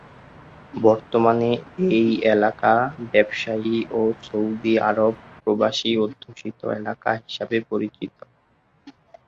বর্তমানে এই এলাকা ব্যবসায়ী ও সৌদি আরব প্রবাসী অধ্যুষিত এলাকা হিসাবে পরিচিত।